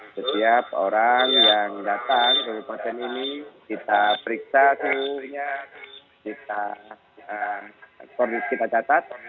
setiap orang yang datang ke kabupaten ini kita periksa seluruhnya kita catat